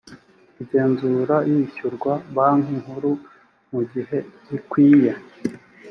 igenzura yishyurwa banki nkuru mu gihegikwiye.